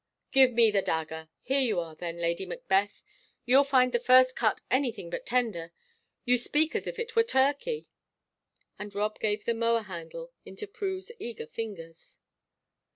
"'Give me the dagger!' Here you are, then, Lady Macbeth. You'll find the first cut anything but tender you speak as if it were turkey." And Rob gave the mower handle into Prue's eager fingers.